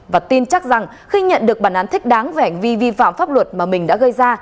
và tin chắc rằng khi nhận được bản án thích đáng vẻnh vì vi phạm pháp luật mà mình đã gây ra